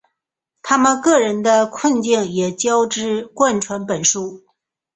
他们个人的困境也交织贯穿本书。